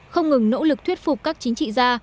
không ngừng nỗ lực thuyết phục các chính trị